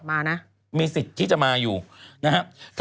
มานะมีสิทธิ์ที่จะมาอยู่นะครับ